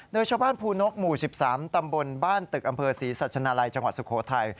โดยชาวบ้านภูนกหมู่๑๓ตำบลบ้านตึกอำเภอศรีสัชนาลัยจังหวัดสุโขทัย